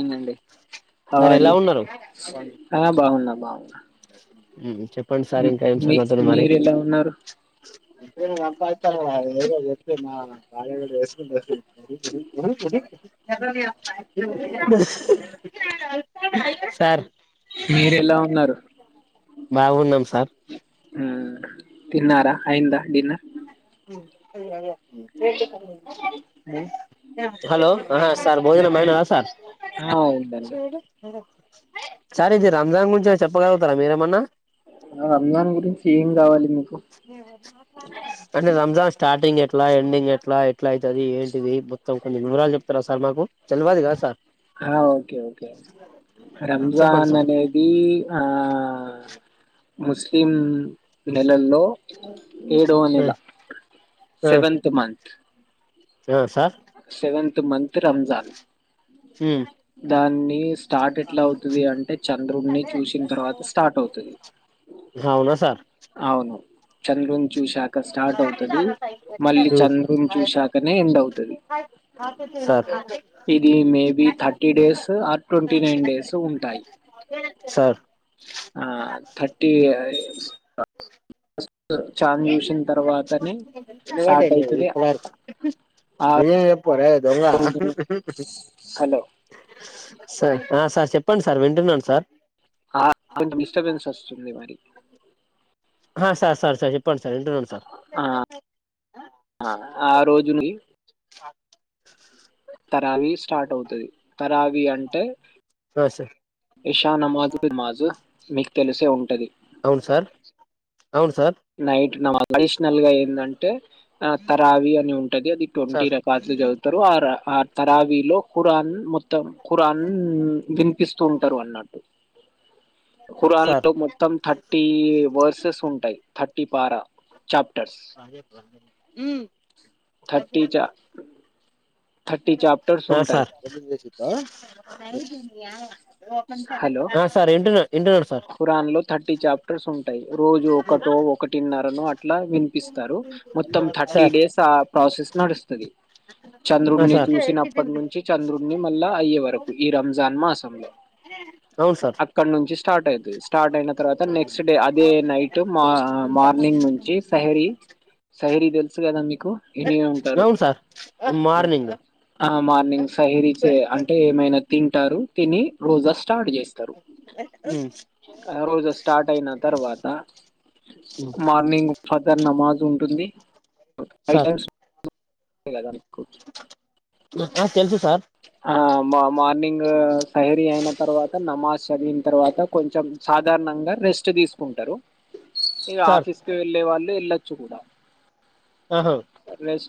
ఏనండి how sir are ఎలా you ఉన్నారు ఆ బాగునన్నాం, చెప్పండి సార్ ఇంకా ఏం మీ సంగతులు మరి మీరు ఎలా ఉన్నారు మీరు సంపాదితరుగా అది ఏందో చెప్తే మా బాలు గాడు నేర్చుకుంటాడు. [unintelligible] మీరు ఎలా ఉన్నారు. బాగున్నాం సార్ మ్మ్ తిన్నారా అయిందా డిన్నర్ అయ్యయ్యో హలో సార్ భోజనం అయినదా సార్ ఆ అయిందండి సార్ ఇది రంజాన్ గురించి చెప్పగలుగుతారా మీరేమన్నా, ఆ రంజాన్ గురించి ఏం కావాలి, మీకు అంటే రంజాన్ స్టార్టింగ్ ఎట్లా ఎండింగ్ ఎట్లా ఎట్లా అయితాది, మో కొన్ని విరాలు చెప్తారా సార్ మాకు తెలవాదు కదా సార్, హా ఓకే ఓకే చెప్పండి రంజాన్ సార్ అనేది ఆ ముస్లిం నెలల్లో ఏడు ఆ నెల ఆ సెవెంత్ మంత్, ఆ సార్ సెవెంత్ మంత్ రంజాన్, హు దానిస్ స్టార్ట్ ఎట్లా అవుతుంది అంటే చంద్రుడిని చూసిన తర్వాత స్టార్ట్ అవుతది. అవునా సార్ అవును చంద్రుని చూశా ఇక స్టార్ట్ అవుతది మళ్ళీ చంద్రుని చూశాకనే ఎండ్ అవుతది. సరే ఇది మేబి థర్టీ డేస్ ఆ ట్వంటీ నైన్ డేస్ ఉంటాయి. సార్ ఆ థర్టీ డేస్ ఛాన్ చూసిన తర్వాతనే స్టార్ట్ అయితది. ఇగా [unintelligible] హలో సరే సార్ చెప్పండి సార్ వింటున్నాను సార్ ఆ అంత డిస్టబెన్స్ వస్తుంది, మరి హా సార్ సార్ సార్ చెప్పండి సార్ వింటున్నను సార్ ఆ ఆ రోజుని తరావి స్టార్ట్ అవుతుది, తరావి అంటే ఆ సార్ ఇషా నమాజు మాజు మీకు తెలిసే ఉంటది. అవును సార్ అవును సార్ నైట్ నమాజు అడిషనల్ గా ఎందంటే, ఆ తరావి అని ఉంటది అది ట్వంటీ సార్ రకార్డ్లు చదువుతారు ఆ ఆ తరావిలో ఖురాన్ మొత్తం ఖురాన్ వినిపిస్తు ఉంటారు అన్నట్టు, ఖురాన్ సార్ లో మొత్తం థర్టీ వర్సెస్ ఉంటాయి, థర్టీ పార చాప్టర్స్ థర్టీ చా చాప్టర్స్ ఆ ఉంటాయి. సార్ ఆ సార్ వింటున్నా, వింటున్నాను సార్ కురాన్ లో థర్టీ చాప్టర్స్ ఉ రోజు ఒకటో ఒకటిన్నరనో అట్ల వినిపిస్తరు. మొత్తం థర్టీ సార్ డేస్ ఆ ప్రాసెస్ నడుస్తది. ఆ చంద్రుడ్ని సార్ చూసినప్పటి నుంచి చంద్రుడ్ని మళ్ళా అయ్యే వరకు ఈ రంజాన్ మాసంలో అవును సార్ అక్కడ నుంచి స్టార్ట్ అయితది స్టార్ట్ అయిన తర్వాత నెక్స్ట్ డే అదే నైట్ మా మార్నింగ్ నుంచి సై రీత్ సైరీ తెలుసు కదా మీకు ఇని ఉంటరు. అవును సార్ మార్నింగ్ ఆ మార్నింగ్ సైరిచే అంటే ఏమైనా తింటారు తిని రోజా స్టార్ట్ చేస్తరు. ఆ రోజా స్టార్ట్ అయిన తర్వాత మార్నింగ్ ఫదర్ నమాజ్ ఉంటుంది. సార్ [unintelligible] అంతే గదా నాకా తెలుసు సార్ ఆ మా మార్నింగ్ సైరి అయిన తర్వాత నమాజ్ జరిగిన తర్వాత కొంచం సాధారణంగా రెస్ట్ తీసుకుంటరు. ఇగా సార్ ఆఫీస్కి వెళ్ళే వాళ్ళు ఎళ్ళొచ్చు గుడా ఆహా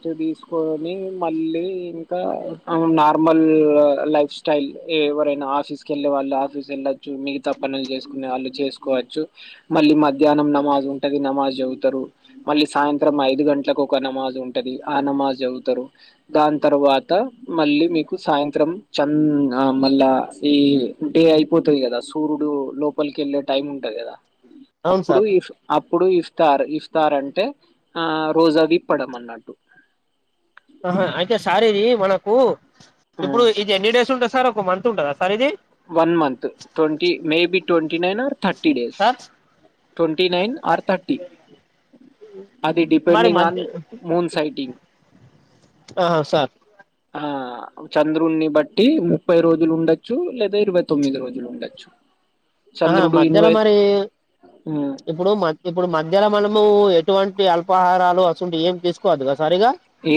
ఇగ తీసుకొని మళ్ళీ ఇంకా నార్మల్ లైఫ్ స్టైల్ ఎవరైనా ఆఫీస్కి ఎళ్ళే వాళ్ళు ఆఫీస్ వెళ్లచ్చు మిగతా పనుల్ చేసుకునే వాళ్ళు చేసుకోవచ్చు మళ్ళీ మధ్యాహ్నం నమాజ్ ఉంటది నమాజ్ చదువుతారు మళ్ళీ సాయంత్రం ఐదు గంట్లకు నమాజ్ ఉంటది ఆ నమాజ్ చదువుతారు దాన్ తర్వాత మళ్ళీ మీకు సాయంత్రం చంద మళ్ళా ఈ డే అయిపోతది కదా సూర్యుడు లోపలికి ఎళ్ళే టైం ఉంట అవును అప్పుడు సార్ ఇఫ్ అప్పుడు ఇస్తార్ ఇస్తారాంటే ఆ రోజు అవి ఇప్పడం అన్నట్టు ఆహా అయితే సార్ ఇది మనకు ఇప్పుడు ఇది ఎన్ని డేస్ ఉంటది సార్ ఒ మంత్ ఉంటదా సార్ ఇది వన్ మంత్ ట్వంటి మేబి ట్వం కి nine thirty days sir twenty nine or thirty అది మరి డిపెడింగ్ ఆన్ మధ్య మూన్ సైటింగ్ ఆహా సార్ చంద్రుని బట్టి ముప్పై రోజులు ఉండొచ్చు లేదా ఇరవై తొమ్మిది రోజులు ఉండొచ్చు. ఆహా చంద్రుడు మధ్యాహ్నం ఇరవై మరి ఇప్పుడు మ ఇప్పుడు మధ్యల మనము ఇటువంటి అల్పాహారాలు అసంటోవి ఏం తీసుకోవోదు గా సా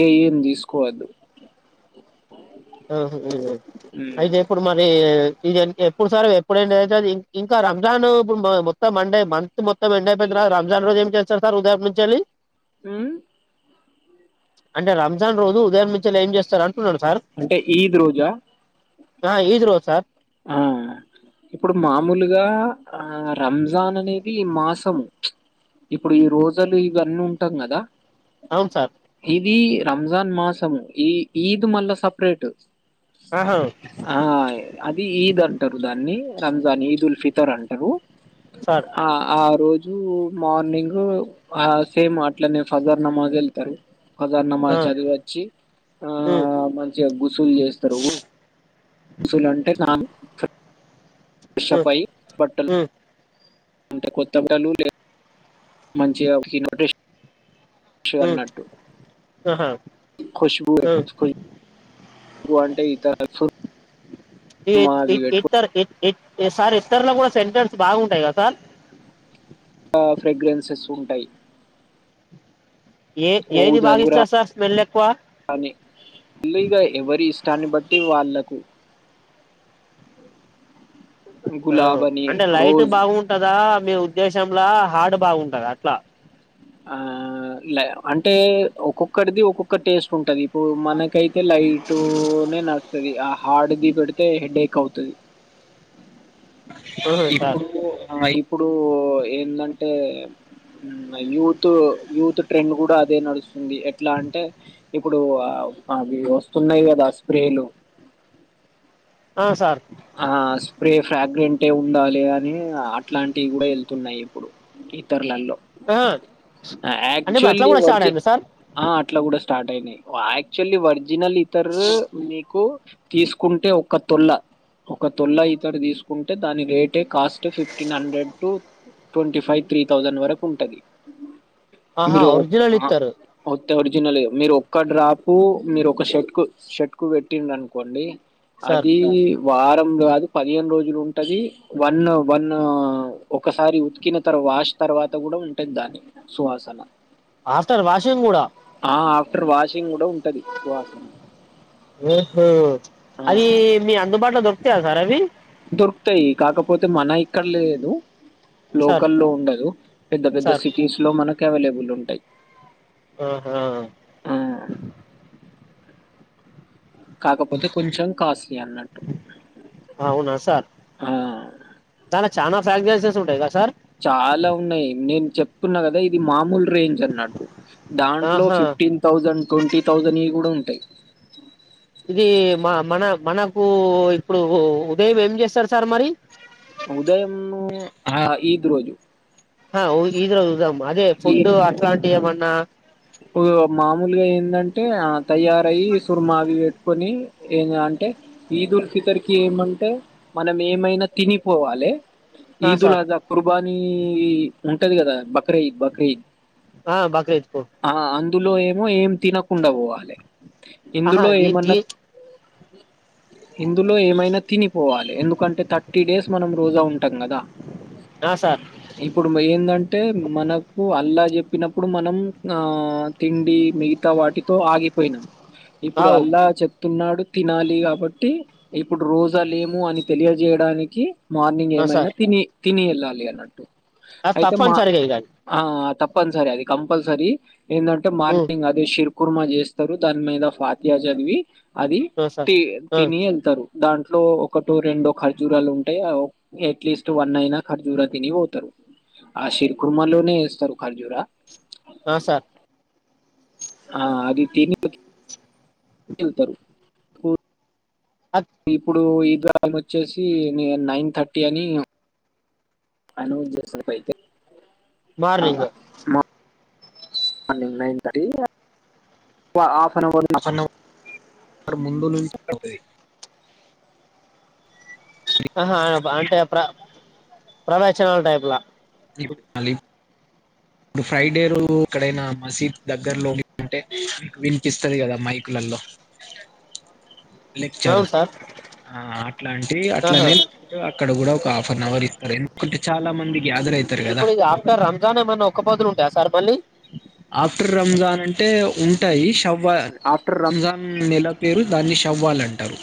ఏ ఏం తీసుకోవద్దు అయితే ఇప్పుడు మరి ఇది ఎప్పుడు సార్ ఎప్పుడు ఎండ్ అయితది ఇంకా రంజాను ఇప్పుడు మొ మొత్తం మండే మంత్ మొత్తం ఎండ్ అయిపోయిన తర్వా రంజాన్ రోజు ఏం చేస్తరు సార్ ఉదయము నుంచలి. మ్మ్ అంటే రంజాన్ రోజు ఉదయం నుంచలి ఏం చేస్తర్ అంటున్నర్ సార్ అంటే ఈద్ రోజా ఆ ఈద్ రోజ్ సార్ ఆ ఇప్పుడు మామూలుగా ఆ రంజాన్ అనేది మాసము ఇప్పుడు ఈ రోజలు ఇవన్నీ ఉంటం కదా అవును సార్ ఇది రంజాన్ మాసము ఈ ఈద్ మళ్ళా సపరేట్ ఆహ ఆ అది ఈద్ అంటరు దాన్ని రంజాన్ ఈద్ ఉల్ ఫిదర్ అంటరు. సార్ ఆ ఆ రోజ్ మార్నింగ్ ఆ సేమ్ అట్లనే ఫజర్ నమాజ్ ఎళ్తరు. హజార్ ఆ నమాజ్ చదివి వచ్చి ఆ ఉమ్ మంచిగ గుసుల్ చేస్తరు గుసులు అంటే నాన్ ఉమ్ ఫెషపై బట్టల్ ఉమ్ అంత కొత్త లే మంచి ఇటేషి ష్ ఉమ్ అన్నట్టు ఆహా కోషు ఎ ఉమ్ స్కు ష్ అంటే ఇతర సుర్మ ఏప్ ఎ అవి ఎప్ పెట్టుకో ఎర ఎ సార్ ఎస్అర్ల గుడా సెంటర్స్ బాగుంటాయి గదా సార్ ఆ ఫ్రేగ్రెన్సెస్ ఉంటయ్ ఏ ఏది గురా బాగిస్తరు సార్ స్మెల్ ఎక్కువ ఇలు ఇగ ఎవరి ఇష్టాన్ని బట్టి వాళ్ళకు ఆ గులాబ్ అని అంటే లైట్ రోజ్ బాంటదా మీ ఉద్దేశం శంలా హాడు బాగుంటది అట్ల ఆ ట్ల అంటే ఒక్కొక్కరిది ఒక్కొక్క టేస్ట్ ఉంటది ఇప్పుడు మనకైత్ తే లైటూనె నచ్ తది ఆ హార్డ్ది పెడ్తే హెడేక్ ఔతది ఆహా సార్ ఇప్పుడు ఇప్పుడూ ఏందంటే యూత్ యూత్ ట్రెండ్ గుడా అదే నడుస్తుంది ఎట్లా అంటే ఇప్పుడు అవి ఒస్తున్నాయ్ గదా స్ప్రేలు అ సార్ ఆ స్ప్రే ఫ్రాగ్రెంట్మ్గా ఉండాలి అని అట్లాంటివి గుడా ఎళ్తున్నాయి ఇప్పుడు ఇతర్లల్లో ఆహా అంటే ఇప్పుడు అట్లా యాక్చువల్లీ కూడా స్టార్ట్ ఒర్జిన్ అయిందా సార్ ఆ అట్లా గుడా స్ స్టార్ట్ ఐనయి యాక్చువల్లీ వరిజినల్ ఇతర్ నీకు తీస్కుంటే ఒక్క తొల్ల ఒక తొల్ల ఇతర్ తీస్కుంటే దాని రేటే cost fifteen hundred to twenty five three thousand వరకుంటది ఆహా మీరో ఒరిజినల్ ఇత్తరు ఒరిజినల్ మీరు ఒక్క డ్రాప్ పూ మీరు ఒక షర్ట్కు షర్ట్కు పెట్టిల్ అనుకోండి సార్ అదీ వారం గాదు పదిహేను రోజులుంటది వన్ వన్ ఒకసారి ఉతికిన తర్వ వాష్ తర్వాత గుడా ఉంటది దాని సువాసన ఆతరు వాషే గూడ ఆ ఆఫ్టర్ వాషింగ్ కూడా ఉంటది సువాసన ఓహో ఆ అది మీ అందుబాట్లో దొ తయ సారవ్వి దొర్కుతయ్ కాకపోతే మన ఇక్కడ లేదు సార్ లోకల్లో ఉండదు పెద్ద పెద్ద సార్ సిటీస్లో మనకు అవైలబుల్ ఉంటది ఆహా కాకపోతే కొంచం కాస్ ఔనా సార్ ఆ దన చానా ఫ్యాగ్గ్రన్సస్ ఉంటాయ్గ చాలా ఉన్నయ్ నేను చెప్తున్నా గదా ఇది మామూల్ రేంజ్ అన్నట్ దాంట్లో ఆహా ఫిఫ్టీన్ థౌసండ్ టోన్టీ థౌసండ్ ఇ గుడా ఉ ట్టయ్ ఈ మ మన మనకూ ఇప్పుడు ఉదయం ఏం జేస్తరు సార్ మరి ఉదయంము అ ఈద్ రోజు ఆఊ ఈద్రోజుదయం అదే ఫుడ్ అట్లాంటి ఏమన్నా పూ మామూల్గా ఏందంటే తయారయ్యి సుర్మావి వెట్టుకొని టే ఈదు ఉల్ ఫితర్ కి ఏమంటే మనమేమైన తినిపోవాలె ఆ ఈద్ల్ సార్ అజా కుర్బానీ ఉంటది గదా బ ఆ బాక తుకు ఆ అందులో ఏమో ఏం తినకుండా పోవాలె ఆహా ఇందులో ఈ ఏమన్నా దీ ఇందులో ఏమైన తని పోవాలె ఎందుకంటే థర్టీ డేస్ మనం రోజా ఉంటాం గదా ఆ సార్ ఇప్పుడు మెయిన్దంటే మనకు అల్లా ఇప్పినప్పుడు మనం ఆ తిండి మిగతా వాటితో ఆగిపోయినాం. ఇప్పుడు అవు అల్లా చెప్ తున్నాడు తినాలి కాబట్టి, ఇప్పుడు రోజు అలీము అని తెలియజేయడానికి మార్నింగ్ ఆ ఏమైనా సార్ తిని, తిని వెళ్ళాలి అన్నట్టు. అది అయితే మా తప్పనిసరిగా ఇగ ఆ తప్ తప్పనిసరి అది కంపల్సరీ. ఏంటంటే, అది మార్నింగ్ అదే షిర్ కుర్మ చేస్తారు. దాని మీద ఫాతియా చదివి అది ఆ సార్ తి ఆ తిని ఎళ్తారు. దాంట్లో ఒకటో రెండో ఖర్జూరాలు ఉంటాయి. ఎట్లీస్ట్ వన్నయినా ఖర్జూరా తిని పోతరు. ఆ షిక్కుమళ్లోనే ఏస్తారు ఖర్జూర. ఆ సార్ ఆ అది తిని ఎళ్తారు. మ్ అద్ ఇప్పుడు ఈ గాలం వచ్చేసి నే నైన్ థర్టీ అని, అన్ని చేస్తారు అయితే, ఆ మార్నింగ్ మా morning nine thirty half an hour, half an hour ముందు నుంచి అవుతది. ఆహా అంటే, ప్ర ప్రవచనాల టైప్లా. ఈపొద్దు మళ్ళీ ఇప్పుడు ఫ్రైడే రోజు ఎక్కడైనా మసీద్ దగ్గరలోనె ఉంటే, విన్ పిస్తది కదా మైకులల్లో. లెక్చరు. అవును సార్ ఆ అట్లాంటివి అట్ల ఆహా నేల్ కు అట్ అక్కడ కూడ ఒక హాఫ్ అన్ అవర్ ఇత్తారు. ఎందుకంటే, చాలా మంది గ్యాదర్ అవుతారు కదా ఇప్పుడిగ ఆఫ్టర్ రంజాన్ ఏమన్న ఒక్కపొద్దులు ఉంటాయా సార్ మళ్ళీ? ఆఫ్టర్ రంజాన్ అంటే ఉంటాయి. షవ్వ ఆఫ్టర్ రంజాన్ నెల పేరు దాన్ని ష చవ్వాల్ అంటారు.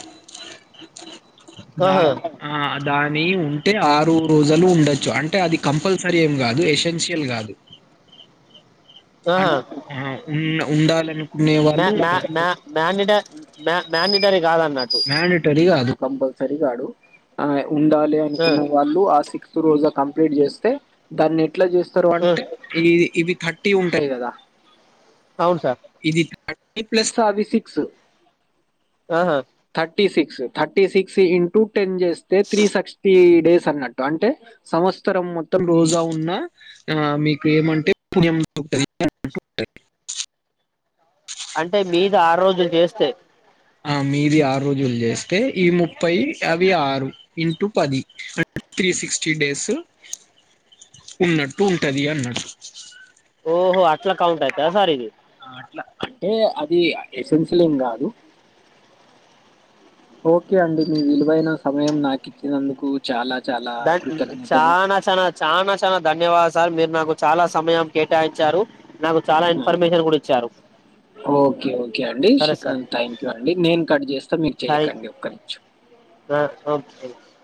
దా ఆహా ఆ దాని అంటే ఆరు రోజాలు ఉండచ్చు. అంటే, అది కంపల్సరీ ఏం కాదు. ఎసెన్షియల్ కాదు. అన్ ఆహా ఆహ ఉన్న ఉండాలని మ్యా మ్యా మ్యా మ్యానిడర్ మ్యా మ్యానిడరె మ్యానిటరీగాదు కంపల్సరీగాదు ఆ ఉండాలి ఆ అనుకున్న వాళ్ళు ఆ సిక్ సిక్స్ రోజా కంప్లీట్ చేస్తే, దాన్ని ఎట్ల చేస్తరు ఆ అంటే, ఇ ఇది థర్టీ ఉంటది కదా! అవును సార్ ఇది థర్టీ ప్లస్ అవి సిక్స్. ఆహా thirty six thirty six into ten చేస్తే త్రీ సక్స్టీ డేస్ అన్నట్టు. అంటే సంవత్సరం మొత్తం రోజా ఉన్న ఆ మీకు ఏమంటే పుయం [unintelligible] అంటే మీది ఆరు రోజులు చేస్తే, ఆ మీది ఆరు రోజులు చేస్తే ఈ ముప్పై అవి ఆరు ఇంటూ పది అ త్రీ సిక్స్టీ డేసు ఉన్నట్టు ఉంటది అన్నట్టు. అట్ల కౌంట్ అయితయా సార్ ఇవి ఆ అట్ల అంటే, అది ఎసెన్షియల్ ఏం కాదు. ఓకె అండి. మీ విలువైన సమయం నాకిచ్చినందుకు చాల దన్ చాన చన, చాన చన దన్ ధన్యవాద్ సార్ మీరు నాకు చాలా సమయం కేటాయించారు. నాకు చాలా ఆ, ఇన్ఫర్మేషన్ కూడ ఇచ్చారు. ఓకే ఓకే అండి, సరే ఆ సార్ థ్యాంక్ యూ అండి, నేను కట్ చేస్త మీరు చెయ్యకండి ఒక్క నిమిషం. ఆ ఒకే